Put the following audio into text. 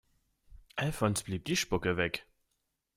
Alfons blieb die Spucke weg.